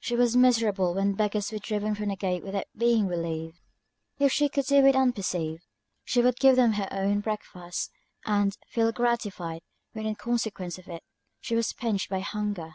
She was miserable when beggars were driven from the gate without being relieved; if she could do it unperceived, she would give them her own breakfast, and feel gratified, when, in consequence of it, she was pinched by hunger.